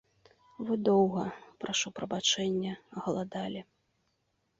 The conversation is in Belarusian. Вы доўга, прашу прабачэння, галадалі.